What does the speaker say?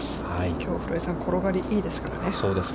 きょう古江さん、転がりがいいですからね。